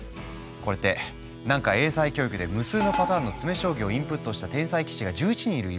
これってなんか英才教育で無数のパターンの詰め将棋をインプットした天才棋士が１１人いるイメージ？